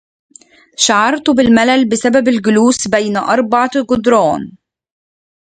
شعرت بالملل بسبب الجلوس بين أربعة جدران.